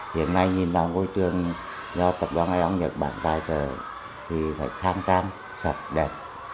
hiện nay nhìn vào ngôi trường do tập đoàn ngoại học nhật bản tài trợ thì phải kháng trang sạch đẹp